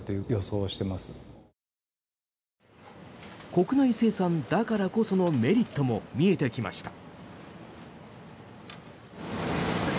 国内生産だからこそのメリットも見えてきました。